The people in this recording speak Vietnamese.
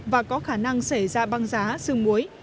và có khả năng xảy ra băng giá sương muối